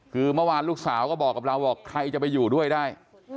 คือเมื่อวานลูกสาวก็บอกกับเราบอกใครจะไปอยู่ด้วยได้